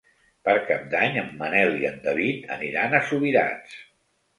Per Cap d'Any en Manel i en David aniran a Subirats.